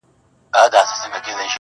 حالاتو دغه حد ته راوسته ه ياره,